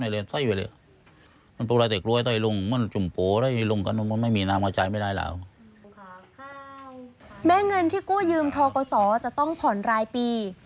แม้เงินที่กู้ยืมทกศจะต้องผ่อนรายปี